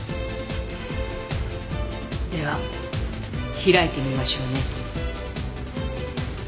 では開いてみましょうね。